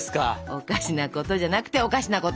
おかしなことじゃなくてお菓子なことですよ。